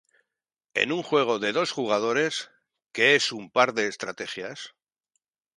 En un juego de dos jugadores, que es un par de estrategias.